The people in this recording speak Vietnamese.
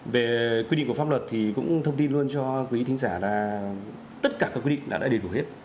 về quy định của pháp luật thì cũng thông tin luôn cho quý khán giả là tất cả các quy định đã đầy đủ hết